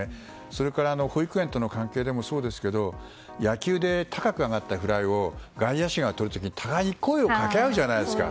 それから保育園との関係でもそうですけど野球で高く上がったフライを外野手がとる時に互いに声を掛け合うじゃないですか。